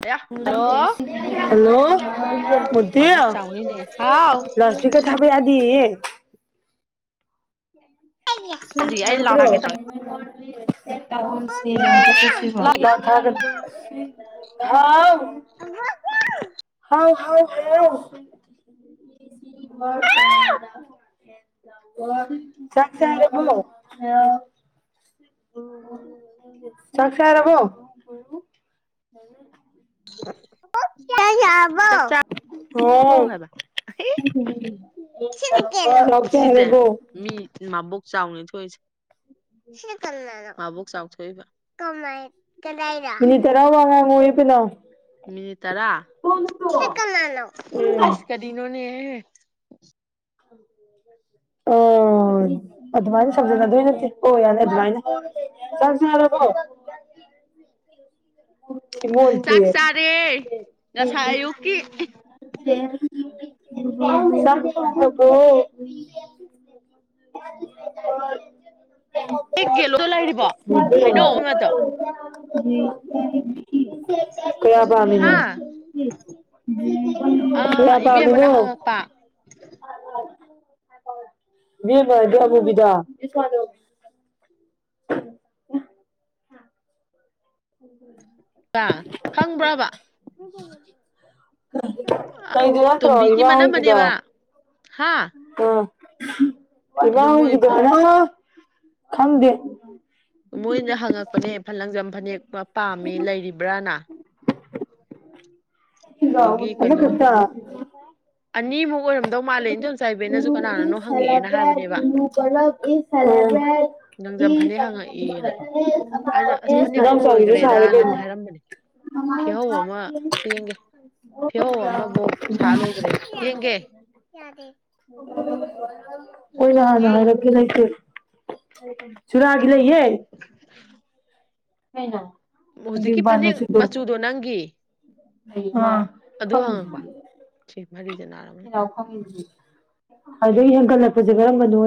ꯑꯌꯥ hello hello [unintelligible] ꯃꯨꯔꯇꯤ ꯃꯕꯨꯛ ꯆꯥꯎꯅꯤꯅꯦ ꯍꯥꯎ ꯂꯥꯎꯇ ꯁ꯭ꯄꯤꯀꯔ ꯊꯥꯕ ꯌꯥꯗꯦꯌꯦ ꯑꯗꯨꯗꯤ ꯑꯩ ꯍꯩꯕ꯭ꯔꯣ [unintelligible] [unintelligible] ꯂꯥꯎꯔꯛꯑꯒꯦ ꯇꯧꯔꯦ ꯂꯥꯎꯒꯦ ꯍꯥꯥꯎ ꯍꯥꯎ ꯍꯥꯎ ꯍꯥꯏꯌꯣ ꯆꯥꯔꯕꯣ ꯆꯥꯛ ꯆꯥꯔꯕꯣ ꯕꯣꯛ ꯆꯥꯛ ꯆꯥꯔ ꯕꯣ ꯆꯥꯛ ꯑꯣ ꯊꯣꯡꯒꯕ ꯁꯤꯅ ꯀꯩꯅꯣ ꯆꯥꯛ ꯁꯤꯖꯦ ꯆꯥꯔꯕꯣ ꯃꯤ ꯃꯥꯕꯨꯛ ꯆꯥꯎꯅꯅꯤ ꯊꯣꯛꯢꯁꯦ ꯁꯤꯅ ꯀꯟꯅꯥꯅꯣ ꯃꯥꯕꯣꯛ ꯆꯥꯎꯊꯣꯛꯏꯕ ꯀꯃꯥꯏ ꯀꯗꯥꯏꯗ ꯃꯤꯅꯤꯠ ꯇꯔꯥ ꯋꯥ ꯉꯥꯡꯉꯣꯌꯦ ꯄꯤꯅꯣ ꯃꯤꯅꯤꯠ ꯇꯔꯥ ꯁꯤ ꯀꯟꯅꯥꯅꯣ ꯎꯝ ꯑꯁ ꯀꯔꯤ ꯅꯣꯅꯦ ꯎꯝ ꯑꯣ ꯑꯗꯨꯃꯥꯏꯅ ꯁꯝꯖꯟꯅꯗꯣꯏ ꯅꯠꯇꯦ ꯑꯣ ꯌꯥꯔꯦ ꯑꯗꯨꯃꯥꯏꯅꯥ ꯆꯥꯛ ꯆꯥꯔꯕꯣ ꯆꯥꯛ ꯊꯤꯃꯣꯟꯇꯦ ꯆꯥꯔꯦ ꯉꯁꯥꯏ ꯑꯌꯨꯛꯀꯤ ꯆꯥꯛ ꯊꯣꯡꯉꯕꯣ [unintelligible] ꯑꯦꯛ ꯌꯦꯂꯣꯗꯣ ꯂꯩꯔꯤꯕꯣ ꯍꯩꯅꯧ [unintelligible] ꯑꯃꯗꯣ ꯎ ꯀꯌꯥ ꯍꯥ ꯄꯥꯝꯃꯤꯅ ꯑꯥ ꯀꯌꯥ ꯏꯕꯦꯝꯃꯅ ꯄꯥꯝꯃꯤꯅꯣ ꯍꯪꯉꯛꯄ [unintelligible] [inaudible] [inaudible] [unintelligible] ꯕꯥ ꯀꯩꯗꯨ ꯅꯠꯇ꯭ꯔꯣ ꯇꯨꯝꯕꯤꯒꯤ ꯏꯃꯥ ꯍꯣꯏꯒꯤꯗꯣ ꯃꯟꯅꯝꯃꯅꯦꯕ ꯍꯥꯥ [inaudible] ꯏꯃꯥ ꯍꯧꯒꯤꯗꯣ ꯈꯪꯗꯦ ꯃꯣꯏꯅ ꯍꯪꯉꯛꯄꯅꯦ ꯂꯪꯖꯝ ꯐꯅꯦꯛ ꯄꯥꯝꯃꯤ ꯂꯩꯔꯤꯕ꯭ꯔꯥꯅ ꯑꯗꯒꯤ ꯀꯩꯅꯣ [unintelligible] ꯑꯅꯤꯃꯨꯛ ꯑꯣꯏꯔꯝ ꯍꯥꯏꯕꯅꯦꯕ ꯂꯪꯖꯝ ꯐꯅꯦꯛ ꯍꯪꯉꯛꯑꯦꯅ ꯑꯩꯅ ꯑꯁ ꯐꯅꯦꯛꯐꯧ ꯂꯣꯏꯒ꯭ꯔꯦꯗꯅꯗꯤ ꯍꯥꯏꯔꯝꯕꯅꯦ [unintelligible] ꯐꯦꯍꯧ ꯑꯃꯐꯧ ꯁꯥ ꯂꯣꯏꯈ꯭ꯔꯦꯅ ꯌꯦꯡꯒꯦ ꯌꯥꯗꯦ ꯎ ꯑꯣꯖꯥꯗ ꯍꯥꯗꯣꯡꯀꯦ ꯂꯩꯇꯦ [unintelligible] ꯁꯨꯔꯒꯤꯂꯩꯌꯦ ꯍꯅ ꯍꯧꯖꯤꯛꯀꯤ ꯐꯅꯦꯛ ꯃꯆꯨꯗꯣ ꯅꯪꯒꯤ ꯑꯗꯨ ꯐꯪ ꯍꯪꯉꯛꯄ ꯁꯤ ꯃꯔꯤꯁꯦ ꯅꯥꯔꯝꯃꯅꯤ [unintelligible] ꯑꯗꯩ ꯍꯦꯟꯒꯠꯂꯛꯄꯁꯦ ꯀꯔꯝꯕꯅꯣ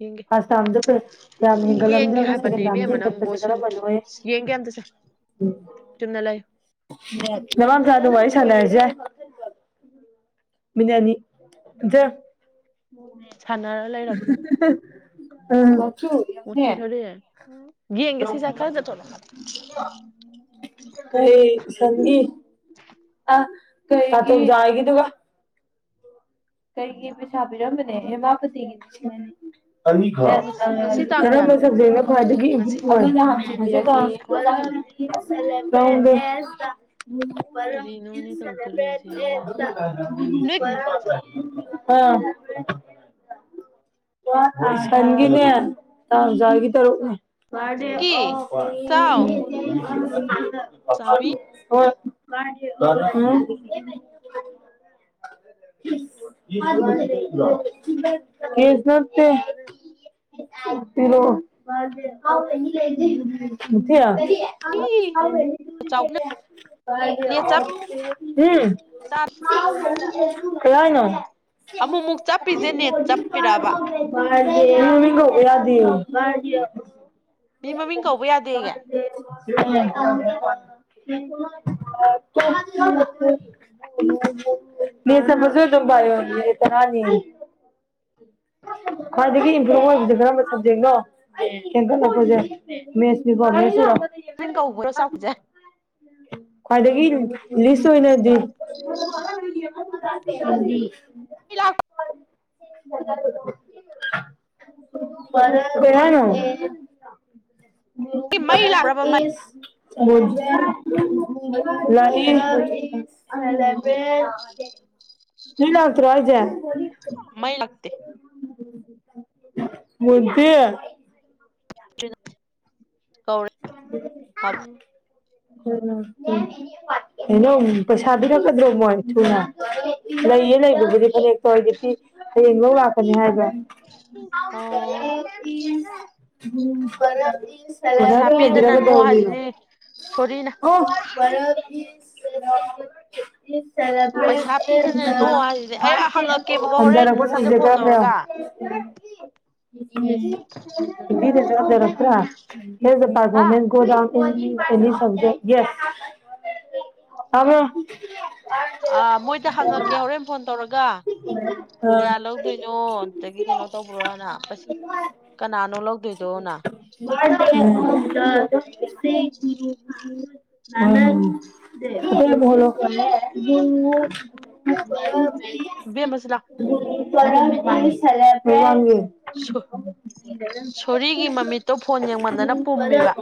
ꯌꯦꯡꯒꯦ ꯐꯥꯔꯁ ꯇꯥꯝꯗ ꯌꯥꯝ ꯌꯦꯡꯒꯦ ꯍꯦꯟꯒꯠꯂꯝꯗ꯭ꯔꯒ ꯁꯦꯀꯦꯟ ꯍꯥꯏꯕꯅꯦ ꯇꯥꯝꯗ ꯏꯕꯦꯝꯃ ꯍꯦꯟꯒꯠꯄꯁꯦ ꯅꯪꯕꯣ ꯁꯨꯟ ꯀꯔꯝꯕꯅꯣ ꯑꯦ ꯌꯦꯡꯒꯦ ꯑꯝꯇꯁꯦ ꯆꯨꯝꯅ ꯂꯩꯌꯨ ꯉꯔꯥꯡ ꯆꯥ ꯑꯗꯨ ꯋꯥꯔꯤ ꯁꯥꯟꯅꯔꯁꯨ ꯔꯥꯏ [unintelligible] ꯁꯥꯟꯅꯔ ꯂꯩꯔꯒꯦ ꯍ ꯃꯨꯔꯇꯤ ꯑ ꯁꯣꯔꯤ ꯌꯦꯡꯒꯦ ꯁꯤꯁꯦ ꯈꯔ ꯆꯠꯊꯣꯛꯂꯣ ꯀꯩ ꯁꯪꯒꯤ [unintelligible] ꯀꯩꯒꯤ ꯄꯩꯁꯥ ꯄꯤꯔꯝꯕꯅꯦ ꯍꯦꯃꯥꯄꯇꯤꯒꯤ ꯂꯤꯁꯤꯡ ꯑꯅꯤ ꯑꯅꯤꯈꯛ ꯉꯁꯤ ꯇꯥꯡ ꯀꯔꯝꯕ ꯀꯌꯥꯅꯣ ꯁꯕꯖꯦꯛꯅ ꯈꯋꯥꯏꯗꯒꯤ ꯉꯁꯤ ꯏꯝꯄ꯭ꯔꯨꯚ ꯑꯣꯏ ꯇ꯭ꯔꯥꯍꯧꯝꯗꯣꯏ ꯀꯔꯤꯅꯣꯅꯦ ꯇꯧꯗꯣꯔꯤꯁꯦ ꯎꯗ ꯅꯣꯏꯒꯤ [unintelligible] ꯑ ꯀꯣꯏꯁꯟꯒꯤꯅꯦ ꯇꯥꯡꯖꯒꯤ ꯇꯔꯨꯛꯅꯤ ꯋꯥꯗꯦ ꯑ [inaudible] ꯆꯥꯎ ꯍꯥꯎꯕꯤ [inaudible] ꯑꯣ ꯎꯝ ꯀꯦꯁ ꯅꯠꯇꯦ ꯄꯤꯔꯣ ꯃꯨꯊꯤ ꯎꯝ ꯅꯦꯠ ꯆꯞ ꯀꯩꯍꯥꯏꯅꯣ ꯑꯃꯨꯛꯃꯨꯛ ꯆꯞꯄꯤꯁꯦ ꯅꯦꯠ ꯃꯤ ꯆꯞꯄꯤꯔꯕ ꯃꯃꯤꯡ ꯀꯧꯕ ꯌꯗꯦꯌꯦ ꯌ ꯃꯤ ꯃꯃꯤꯡ ꯀꯧꯕ ꯌꯥꯗꯦꯌꯦ [unintelligible] ꯃꯦꯠꯁ ꯑꯃꯁꯨ ꯑꯗꯨꯝ ꯄꯥꯏꯌꯣ ꯃꯤꯠ ꯇꯔꯥꯅꯤ ꯈ꯭ꯋꯥꯏꯗꯒꯤ ꯏꯝꯄ꯭ꯔꯨꯚ ꯑꯣꯏꯕꯁꯦ ꯀꯔꯝꯕ ꯁꯕꯖꯦꯛꯅꯣ ꯍꯦꯟꯒꯠꯂꯛꯄꯁꯦ ꯃꯦꯠꯁꯅꯤꯀꯣ ꯃꯦꯠꯁꯏꯔꯣ [unintelligible] ꯀꯧꯕꯔꯣ ꯆꯥꯎꯕꯁꯦ ꯑꯗꯒꯤ ꯂꯤꯁ ꯑꯣꯏꯅꯗꯤ ꯍꯨꯔꯤ [unintelligible] ꯀꯩꯍꯥꯏꯅꯣ ꯨꯒꯨꯔꯨ ꯃꯩ ꯒꯔ ꯂꯥꯛꯈ꯭ꯔꯕ ꯃꯩ ꯏꯁ [unintelligible] ꯑꯍꯂꯕꯦꯟ ꯅꯣꯏꯂꯥꯛꯇꯔꯣ ꯍꯥꯏꯖꯦ ꯃꯩ ꯂꯛꯇꯦ ꯃꯣꯏꯕꯤ [inaudible] [inaudible] ꯎꯝ ꯎꯝ ꯑꯩꯅꯣ ꯄꯩꯁꯥ ꯄꯤꯔꯛꯀꯗ꯭ꯔꯣ ꯃꯣꯏ ꯊꯨꯅ ꯂꯩꯌꯦ ꯂꯩꯕꯕꯨꯗꯤ ꯐꯅꯦꯛꯇꯣ ꯑꯩꯗꯤ ꯄꯤ ꯍꯌꯦꯡ ꯂꯧ ꯂꯥꯛꯀꯅꯤ ꯍꯥꯏꯕ꯭ꯔ [inaudible] [inaudible] ꯑꯣ ꯄꯩꯁꯥ ꯄꯤꯗꯅ ꯅꯣ ꯍꯥꯏꯁꯤꯅꯤ [unintelligible] ꯁꯣꯔꯤꯅ [unintelligible] [unintelligible] ꯁꯦꯂꯦꯕ꯭ꯔꯦꯠ ꯄꯩꯁꯥ ꯑꯠ ꯄꯤꯗꯅ ꯗ ꯅꯣ ꯍꯥꯏꯁꯤꯅꯦ ꯑꯩ ꯕꯥꯠꯗꯦ ꯑꯣꯕ ꯍꯪꯉꯛꯀꯦꯕꯀꯣ ꯍꯣꯔꯦꯟ ꯍꯗꯔꯄ ꯃꯣꯏꯗ ꯁꯝꯖ ꯐꯣꯟ ꯈꯔ ꯇꯧꯔꯒ ꯄꯨ꯭ꯔ ꯌꯦꯒꯣ [unintelligible] ꯇꯨ ꯗ ꯍꯥꯥ ꯄꯥꯔꯐꯣꯔꯃꯦꯟ ꯉꯣ ꯗꯥꯎꯟ [unintelligible] ꯑ ꯃꯣꯏꯗ ꯍꯪꯉꯛꯀꯦ ꯍꯣꯔꯦꯟ ꯐꯣꯟ ꯇꯧꯔꯒ ꯀꯌꯥ ꯂꯧꯗꯣꯏꯅꯣ ꯑꯗꯨꯗꯒꯤ ꯀꯩꯅꯣ ꯇꯧꯒꯔꯣꯅ ꯀꯅꯥꯅꯣ ꯂꯧꯗꯣꯏꯗꯣꯅ [unintelligible] [inaudible] [unintelligible] ꯏꯕꯦꯝꯃ ꯁꯤꯂꯥꯎ [unintelligible] ꯁꯣꯔꯤꯒꯤ ꯃꯃꯤꯠꯇꯣ ꯐꯣꯟ ꯌꯦꯡꯃꯟꯗꯅ ꯄꯨꯝꯃꯤꯕ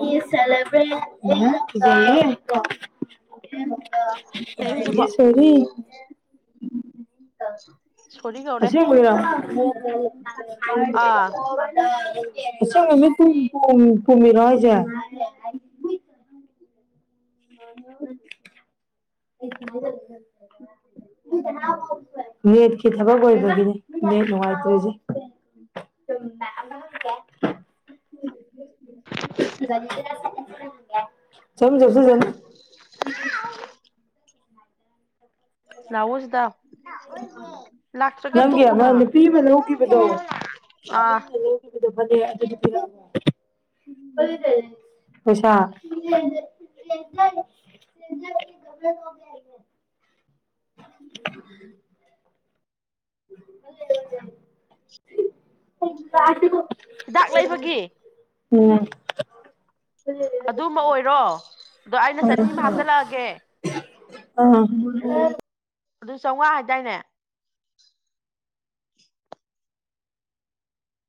ꯍꯧꯖꯤꯛꯐꯥꯎ [unintelligible] ꯁꯣꯔꯤ ꯇ ꯔꯨ ꯁꯣꯔꯤ ꯀꯧꯔꯦ ꯑꯁꯦꯡꯕꯩꯔꯣ [unintelligible] ꯑꯥ [unintelligible] ꯏꯁꯨ ꯃꯃꯤꯠ ꯄꯨꯝ ꯄꯣꯝꯃꯤꯔꯣ ꯍꯥꯏꯁꯦ [unintelligible] [unintelligible] ꯅꯦꯠꯀꯤ ꯊꯕꯛ ꯑꯣꯏꯕꯒꯤꯅꯤ ꯅꯦꯠ ꯅꯨꯡꯉꯥꯏꯇ꯭ꯔꯤꯁꯦ [unintelligible] ꯆꯞꯁꯤꯖꯅꯨ [unintelligible] ꯂꯥꯎꯑꯣ ꯁꯤꯗ ꯂꯥꯛꯇ꯭ꯔꯒ ꯅꯪꯒꯤ ꯑꯃ ꯇꯣꯛꯎꯅ ꯅꯨꯄꯤ ꯑꯃ ꯂꯧꯈꯤꯕꯗꯣ ꯅꯨꯄꯤ ꯑꯥ ꯑꯃꯅ [unintelligible] ꯄꯩꯁꯥ [unintelligible] [inaudible] [unintelligible] ꯍꯤꯗꯥꯛ ꯂꯩꯕꯒꯤ ꯑ ꯑꯗꯨꯃ ꯑꯣꯏꯔꯣ ꯑꯗꯣ ꯑꯩꯅ ꯆꯅꯤꯃ ꯍꯥꯞꯆꯜꯂꯛꯑꯒꯦ ꯑ [unintelligible] ꯑꯗꯨ ꯆꯥꯝꯉꯥ ꯍꯥꯏꯗꯥꯏꯅꯦ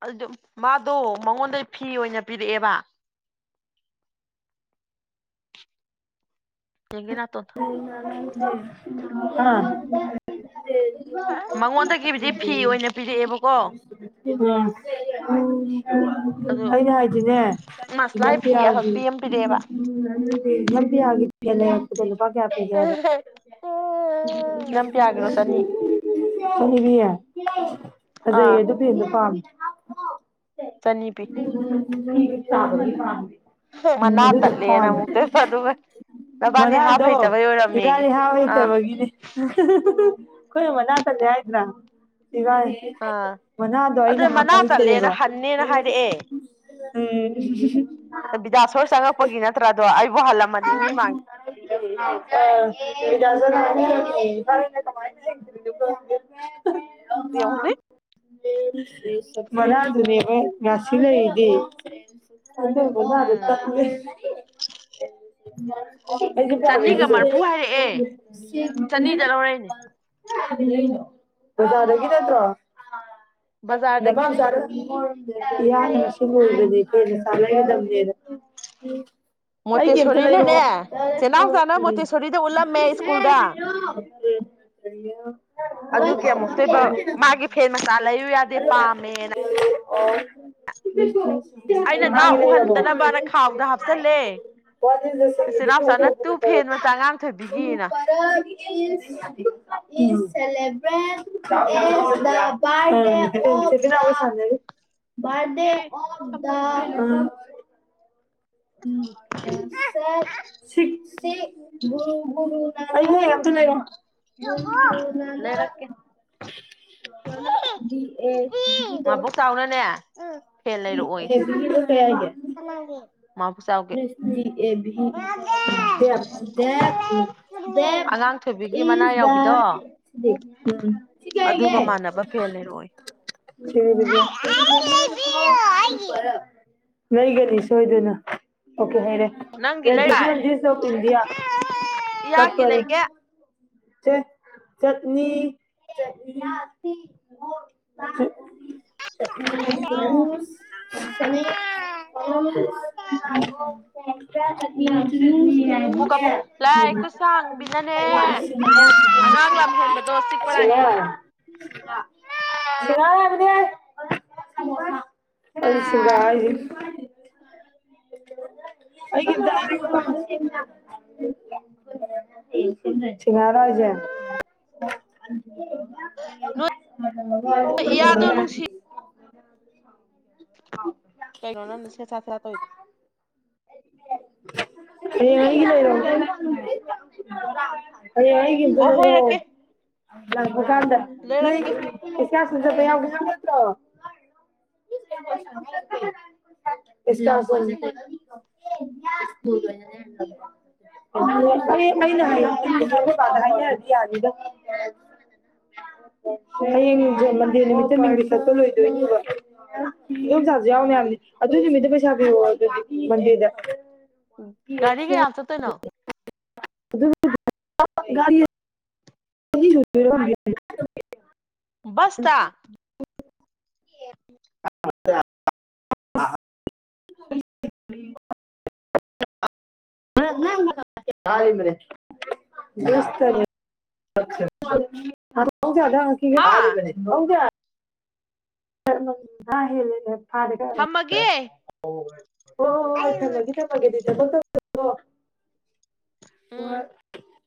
ꯑꯗꯨꯗ ꯃꯥꯗꯣ ꯃꯉꯣꯟꯗꯩ ꯐꯤ ꯑꯣꯏꯅ ꯄꯤꯔꯛꯑꯦꯕ ꯌꯦꯡꯒꯤ ꯅꯇꯣꯟꯗꯣ ꯑꯥ [unintelligible] [unintelligible] ꯃꯉꯣꯟꯗꯒꯤꯕꯨꯗꯤ ꯐꯤ ꯑꯣꯏꯅ ꯄꯤꯔꯛꯑꯦꯕꯀꯣ ꯎ ꯎ ꯑꯗꯨ ꯑꯩꯅ ꯍꯥꯏꯗꯤꯅꯦ ꯃꯁꯂꯥꯏ ꯏꯅꯝ ꯐꯤ ꯄꯤꯌꯥꯒꯤ ꯑꯍꯛꯄꯤ ꯑꯃ ꯄꯤꯔꯛꯑꯦꯕ ꯏꯅꯝ ꯄꯤꯌꯥꯒꯤ ꯄꯦꯟꯂꯦ ꯑꯩ ꯏꯀꯣꯅꯣ ꯂꯨꯄꯥ ꯀꯌꯥ ꯄꯤꯒꯦ ꯍꯥꯏꯕ ꯅꯪ ꯄꯤꯌꯥꯒꯤꯔꯣ ꯆꯅꯤ [unintelligible] ꯆꯅꯤ ꯄꯤꯌꯦ ꯑꯥ ꯐꯖꯩꯌꯦ ꯑꯗꯨ ꯐꯤꯗꯣ ꯄꯥꯝꯃꯦ ꯆꯅꯤꯄꯤ [unintelligible] ꯍ ꯎꯝ ꯃꯅꯥ ꯑꯗꯨꯗꯣ ꯇꯠꯂꯦꯅ ꯑꯃꯨꯛꯇꯪꯏꯕ ꯑꯗꯨꯒ ꯅꯕꯥꯅꯤ ꯍꯥꯞ ꯃꯔꯥꯗꯣ ꯍꯩꯇꯕꯩ ꯑꯣꯏꯔꯝꯃꯦꯌꯦ ꯏꯕꯥꯅꯤ ꯍꯥꯞ ꯑꯥ ꯍꯩꯇꯕꯒꯤꯅꯦ ꯀꯣꯏ ꯃꯅꯥ ꯇꯠꯂꯦ ꯍꯥꯏꯖꯤꯅ ꯏꯕꯒꯤ ꯑꯥ ꯃꯅꯥꯗꯣ ꯑꯩꯅ ꯑꯗꯨ ꯍꯥꯞꯄ ꯃꯅꯥ ꯇꯠꯂꯦꯅ ꯍꯩꯇꯔꯦꯕ ꯍꯟꯅꯦꯅ ꯍꯥꯏꯔꯛꯑꯦ ꯎꯝ [unintelligible] ꯑꯃꯨꯛ ꯍꯟꯂꯝꯃꯅꯤ ꯃꯤ ꯃꯥꯡ [unintelligible] ꯌꯦꯡꯉꯨꯅꯦ [unintelligible] ꯃꯅꯥ ꯗꯨꯅꯦꯕ ꯔꯥꯁꯤ ꯂꯩ ꯔꯤꯗꯤ [unintelligible] ꯎꯝ [unintelligible] [unintelligible] [unintelligible] ꯆꯅꯤꯒ ꯃꯔꯐꯨ ꯍꯥꯏꯔꯛꯑꯦ ꯆꯅꯤꯗ ꯂꯧꯔꯛꯏꯅꯦ ꯕꯖ꯭ꯥꯔꯗꯒꯤ ꯅꯠꯇꯔꯣ [unintelligible] ꯅꯃꯥ ꯕꯖꯥꯔꯗꯒꯤꯅꯦ ꯆꯥꯗꯪ ꯀꯤ ꯍꯣꯔꯃ [unintelligible] ꯑꯩꯒꯤ ꯑꯝꯇꯥ ꯃꯣꯇꯦꯁꯣꯔꯤꯅꯅꯦ ꯂꯩꯔꯛꯑꯪ ꯆꯦꯅꯥꯎꯆꯥꯅ ꯃꯣꯇꯦꯁꯣꯔꯤꯗ [unintelligible] ꯎꯠꯂꯝꯃꯦ ꯁꯦ ꯁ꯭ꯀꯨꯜꯗ ꯍꯥꯢꯔꯛꯑꯣ ꯑꯗꯨꯒꯤ ꯑꯃꯨꯛꯇꯣꯏꯕ ꯃꯥꯒꯤ ꯐꯦꯟ ꯃꯆꯥ ꯂꯩꯌꯨ ꯌꯥꯗꯦ ꯄꯥꯝꯃꯦꯅ [unintelligible] [unintelligible] ꯑꯩꯅꯥ ꯃꯥ ꯃꯥꯒꯤ ꯂꯩꯔꯕꯣ ꯎꯍꯟꯗꯅꯕꯅ ꯈꯥꯎꯗ ꯍꯥꯞꯆꯜꯂꯦ [unintelligible] [unintelligible] ꯕꯥꯔꯗꯦ ꯆꯦꯅꯥꯎꯆꯥꯅ ꯇꯨ ꯐꯦꯟ ꯃꯆꯥ ꯉꯥꯡꯊꯣꯏꯕꯤꯒꯤꯅ ꯑꯪꯞ ꯑꯦ ꯗꯥ ꯁꯝꯄꯣꯏ ꯑꯥ ꯎꯝ ꯎꯝ ꯍꯨꯆ ꯗꯦꯗ ꯁꯤꯞꯁꯤ ꯃꯨꯔꯨ ꯃꯨꯔꯨ ꯅꯥꯔꯦ ꯑꯝꯇꯥ ꯂꯩꯔꯛꯀꯦ ꯂꯩꯔꯛꯑꯣ [unintelligible] ꯎꯝ ꯃꯥꯕꯣꯛꯆꯥꯎꯒꯤ [unintelligible] [unintelligible] ꯗꯦꯞ ꯗꯦꯞ ꯑꯉꯥꯡ ꯊꯣꯏꯕꯤꯒꯤ ꯃꯅꯥ ꯏꯁ ꯌꯥꯎꯕꯤꯗꯣ ꯗꯥ ꯁꯤ ꯀꯩ ꯑꯗꯨꯒ ꯍꯥꯏꯒꯦ ꯃꯥꯟꯅꯕ ꯐꯦꯟ ꯂꯩꯔꯛꯑꯣꯌꯦ [unintelligible] ꯂꯩꯒꯅꯤ ꯁꯣꯏꯗꯅ ꯅꯪꯒꯤ ꯔꯦꯗꯤꯖꯁ ꯂꯩꯔꯣꯏ ꯗꯤꯁ ꯑꯣꯞ ꯏꯟꯗꯤꯌ ꯏꯌꯥꯒꯤ ꯀꯞꯀꯅꯨ ꯂꯩꯒꯦ ꯆꯠ ꯆꯠꯅꯤ [unintelligible] [unintelligible] [unintelligible] ꯄꯨ ꯀꯥꯄꯨ ꯂꯥꯏꯈꯨꯠꯁꯥꯡꯕꯤꯅꯅꯦ [unintelligible] [unintelligible] ꯑꯁꯤꯡꯒ ꯂꯥꯛꯑꯦꯌꯦ ꯍꯥꯏꯁꯦ [unintelligible] ꯇꯃꯔ ꯍꯥꯏꯁꯦ ꯅꯣꯏ ꯏꯌꯥꯗꯣ ꯅꯨꯡꯁꯤ [unintelligible] ꯀꯩꯅꯣ ꯅꯪꯅ ꯁꯦꯠꯁꯥ ꯁꯦꯠꯁꯥ ꯇꯧꯔꯤꯗꯣ ꯍꯌꯦꯡ ꯑꯩꯒꯤ ꯂꯩꯔꯣ ꯍꯌꯦꯡ ꯑꯩꯒꯤ ꯑꯝꯇ ꯂꯩꯔꯛ ꯑꯣ ꯂꯟ ꯀꯩꯀꯥꯟꯗ ꯅꯣꯏ ꯂꯩꯔꯛꯀꯦ [unintelligible] ꯆꯥꯛ ꯄꯤꯖꯕ ꯌꯥꯎꯕ ꯅꯠꯇꯔꯣ [unintelligible] [unintelligible] [unintelligible] [unintelligible] ꯂꯣꯏꯗꯣꯏꯅꯦꯕ ꯏꯗꯣꯝ ꯆꯥꯁꯨ ꯌꯥꯎꯅꯤ ꯍꯥꯏꯕꯅꯤ ꯑꯗꯨ ꯅꯨꯃꯤꯠꯇꯣ ꯄꯩꯁꯥ ꯄꯤꯔꯛ ꯑꯣꯌꯣ [unintelligible] ꯃꯟꯗꯦꯗ ꯒꯥꯔꯤ ꯀꯩꯌꯥ ꯆꯠꯇꯣꯏ ꯅꯣ ꯑꯗꯨꯒ [unintelligible] [unintelligible] ꯕꯁꯇ [unintelligible] [unintelligible] [unintelligible] ꯍꯥ ꯏꯗꯣꯝꯆꯥ ꯉꯥꯍꯦꯜꯂꯤ [unintelligible] [unintelligible] ꯍꯣ ꯊꯝꯃꯒꯦ ꯍꯣꯏ ꯍꯣꯏ ꯊꯝꯃꯒꯦ ꯊꯝꯃꯒꯦ ꯊꯕꯛ ꯇꯧ [unintelligible] ꯎꯝ ꯋꯥꯠ